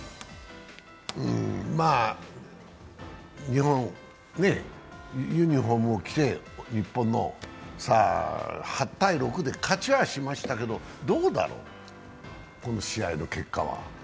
まあ、日本、ユニフォームを着て、日本の、８−６で勝ちはしましたけどどうだろう、この試合の結果は？